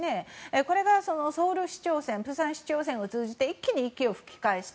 これが、ソウル市長選釜山市長選を通じて一気に息を吹き返した。